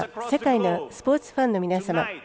世界のスポーツファンの皆様